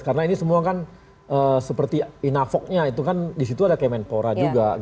karena ini semua kan seperti inavok nya itu kan di situ ada kemenpora juga